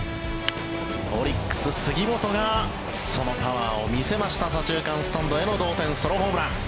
オリックス、杉本がそのパワーを見せました左中間スタンドへの同点ソロホームラン。